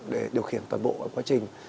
để điều khiển toàn bộ quá trình